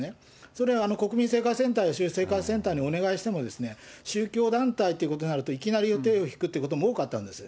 それは国民生活センターに、消費生活センターに宗教団体ということになると、いきなり手を引くということも多かったんです。